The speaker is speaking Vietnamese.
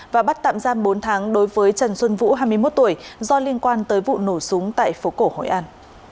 và bắt tạm giam bốn tháng đối với trần xuân vũ hai mươi một tuổi do liên quan tới vụ nổ súng tại phố cổ hội an